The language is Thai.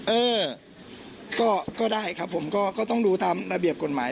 เออก็ได้ครับผมก็ต้องดูตามระเบียบกฎหมาย